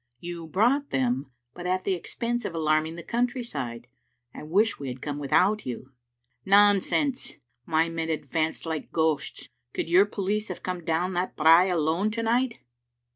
"" You brought them, but at the expense of alarming the country side. I wish we had come without you." " "Nonsense! My men advanced like ghosts. Could your police have come down that brae alone to night?"